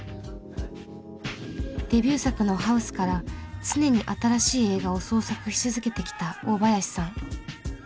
デビュー作の「ＨＯＵＳＥハウス」から常に新しい映画を創作し続けてきた大林さん。